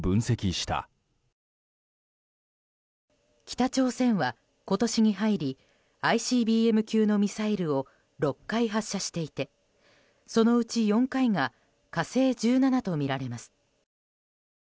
北朝鮮は今年に入りＩＣＢＭ級のミサイルを６回発射していてそのうち４回が「火星１７」とみられます。